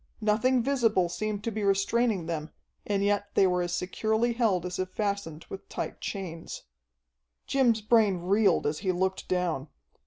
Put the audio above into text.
Nothing visible seemed to be restraining them, and yet they were as securely held as if fastened with tight chains. Jim's brain reeled as he looked down.